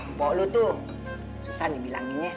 mpok lu tuh susah dibilanginnya